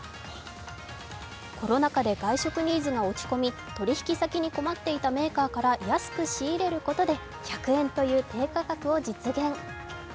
コロナ禍で外食ニーズが落ち込み、取引先に困っていたメーカーから安く仕入れることで１００円という低価格を実現。